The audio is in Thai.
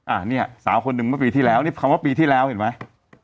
อ่ะเนี่ยสาวคนหนึ่งเมื่อปีที่แล้วนี่คำว่าปีที่แล้วเห็นไหม